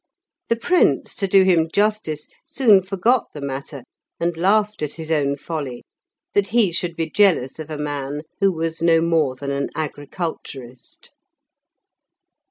The Prince, to do him justice, soon forgot the matter, and laughed at his own folly, that he should be jealous of a man who was no more than an agriculturist.